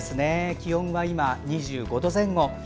気温が今、２５度前後。